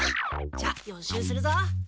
じゃあ予習するぞ。